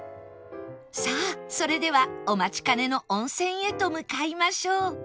さあそれではお待ちかねの温泉へと向かいましょう